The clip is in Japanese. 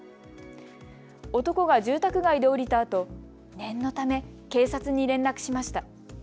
男が住宅街で降りたあと念のため警察に連絡しました。